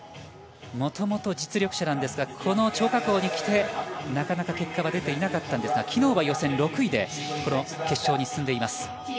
もともと実力者なんですがこの張家口に来てなかなか結果は出ていなかったんですが昨日は予選６位でこの決勝に進んでいます。